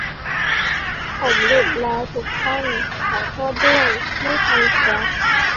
ผมหลุดแล้วทุกท่าน ขอโทษด้วย ไม่ทันครับ